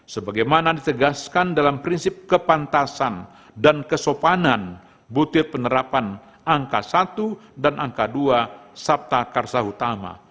sebagaimana ditegaskan dalam prinsip kepantasan dan kesopanan butir penerapan angka satu dan angka dua sabta karsa utama